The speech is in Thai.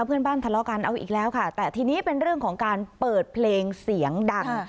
ทะเลาะกันเอาอีกแล้วค่ะแต่ทีนี้เป็นเรื่องของการเปิดเพลงเสียงดัง